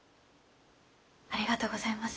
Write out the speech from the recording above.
ありがとうございます。